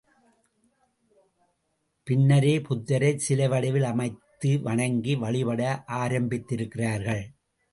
பின்னரே புத்தரைச் சிலை வடிவில் அமைத்து வணங்கி வழிபட ஆரம்பித்திருக்கிறார்கள்.